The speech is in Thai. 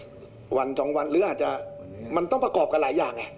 วันสองวันหรืออาจจะมันต้องประกอบกันหลายอย่างไง